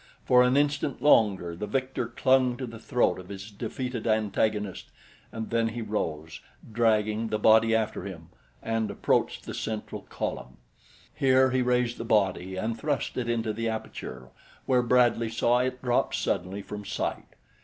For an instant longer the victor clung to the throat of his defeated antagonist and then he rose, dragging the body after him, and approached the central column. Here he raised the body and thrust it into the aperture where Bradley saw it drop suddenly from sight.